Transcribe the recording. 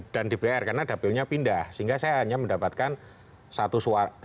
dan dpr karena dapilnya pindah sehingga saya hanya mendapatkan satu suara